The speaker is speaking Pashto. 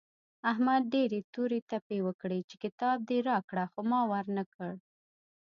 احمد ډېرې تورې تپې وکړې چې کتاب دې راکړه خو ما ور نه کړ.